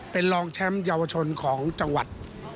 เป็นรองแชมป์เยาวชนของจังหวัด